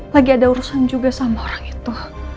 lagi ada urusan juga sama orang itu